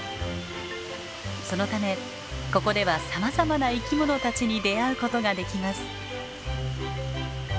そのためここではさまざまな生き物たちに出会うことができます。